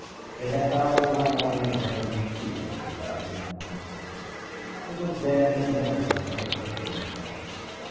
They had found her one morning burning with fever and babbling nonsense. It was then that Nikola had asserted himself.